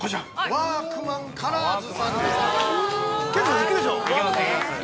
ワークマンカラーズさん。